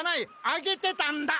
あげてたんだ！